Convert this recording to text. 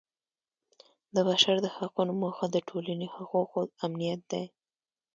د بشر د حقونو موخه د ټولنې حقوقو امنیت دی.